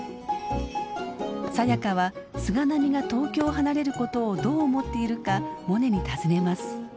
サヤカは菅波が東京を離れることをどう思っているかモネに尋ねます。